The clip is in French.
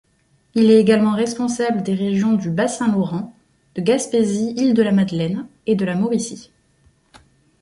Il est également responsable des régions du Bas-Saint-Laurent, de Gaspésie–Îles-de-la-Madeleine et de la Mauricie.